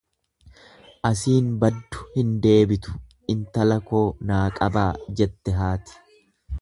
Asiin baddu hin deebitu intala koo naa qabaa jette haati.